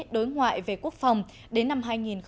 đối ngoại về quốc phòng đến năm hai nghìn hai mươi